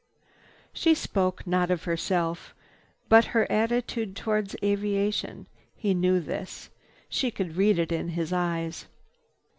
She spoke, not of herself, but her attitude toward aviation. He knew this. She could read it in his eyes.